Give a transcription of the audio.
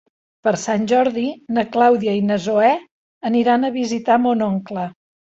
Per Sant Jordi na Clàudia i na Zoè aniran a visitar mon oncle.